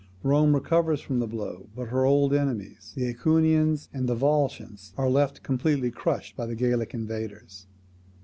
Rome recovers from the blow, but her old enemies, the AEquians and Volscians, are left completely crushed by the Gallic invaders.